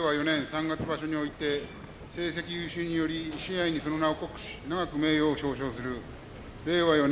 ４年三月場所において成績優秀により賜盃に、その名を刻し永く名誉を表彰する令和